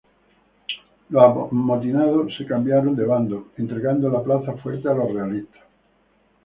Los amotinados se cambiaron de bando, entregando la plaza fuerte a los realistas.